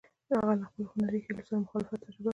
هغه له خپلو هنري هیلو سره مخالفت تجربه کړ.